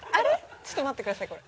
ちょっと待ってくださいこれ。